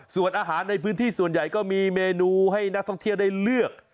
ส่วนอาหารในพื้นที่ส่วนใหญ่ก็มีเมนูให้นักท่องเที่ยวได้เลือก